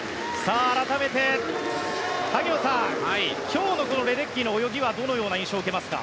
改めて、萩野さん今日のレデッキーの泳ぎはどのような印象を受けますか。